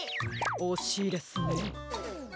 おしいですね。